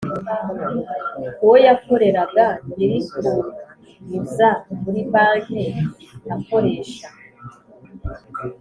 uwo yakoreraga nyirikuguza muri banke akoresha